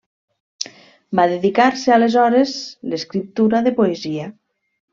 Va dedicar-se aleshores l'escriptura de poesia.